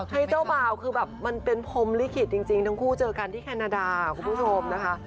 ให้เจ้าบ่าวคือแบบมันเป็นพรมลิขิตจริงทั้งคู่เจอกันที่แคนาดาคุณผู้ชมนะคะ